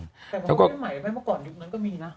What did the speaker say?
ดีกว่าแม้เมื่อก่อนยุคนั้นก็มีน่ะ